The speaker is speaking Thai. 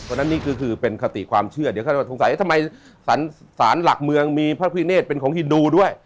เพราะฉะนั้นนี่ก็คือเป็นคติความเชื่อเดี๋ยวเขาจะสงสัยทำไมสารหลักเมืองมีพระพิเนธเป็นของฮินดูด้วย